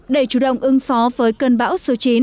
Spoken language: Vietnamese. để chủ động ứng phó với cơn bão số chín